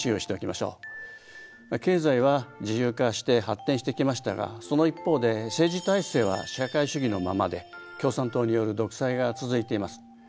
まあ経済は自由化して発展してきましたがその一方で政治体制は社会主義のままで共産党による独裁が続いています。